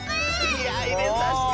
いやいれさせてよ。